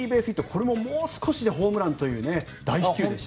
これももう少しでホームランという大飛球でした。